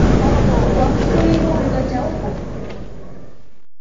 Kwa msuri kwaulika chao fo.